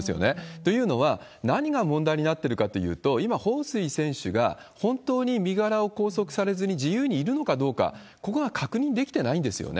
というのは、何が問題になっているかというと、今、彭帥選手が本当に身柄を拘束されずに自由にいるのかどうか、ここが確認できてないんですよね。